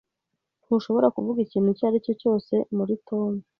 Ntushobora kuvuga ikintu icyo ari cyo cyose muri Tom?